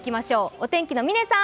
お天気の嶺さん。